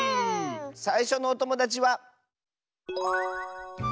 さいしょのおともだちは。